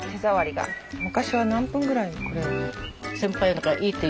昔は何分ぐらいこれ。